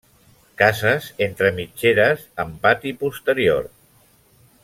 Cases entre mitgeres, amb patri posterior.